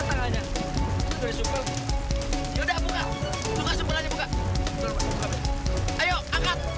aku bisa percaya